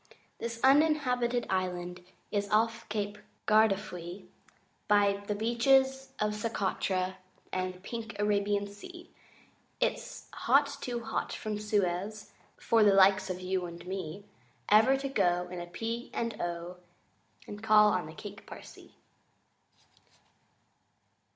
THIS Uninhabited Island Is off Cape Gardafui, By the Beaches of Socotra And the Pink Arabian Sea: But it's hot too hot from Suez For the likes of you and me Ever to go In a P. and O. And call on the Cake Parsee!